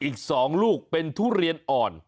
อีก๒ลูกเป็นทุเรียนอ่อน